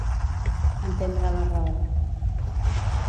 Entendre la raó.